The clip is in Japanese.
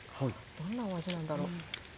どんなお味なんだろう。